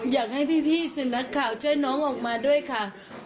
อยากให้พี่สื่อนักข่าวช่วยน้องออกมาด้วยค่ะ